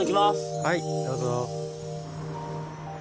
はいどうぞ。